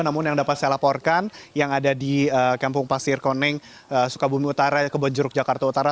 namun yang dapat saya laporkan yang ada di kampung pasir koneng sukabumi utara kebonjeruk jakarta utara